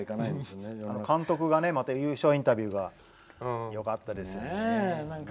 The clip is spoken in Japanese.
監督の優勝インタビューがよかったですよね。